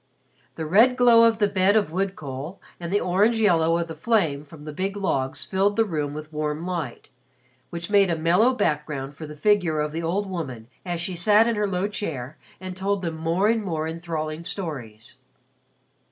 The red glow of the bed of wood coal and the orange yellow of the flame from the big logs filled the room with warm light, which made a mellow background for the figure of the old woman as she sat in her low chair and told them more and more enthralling stories.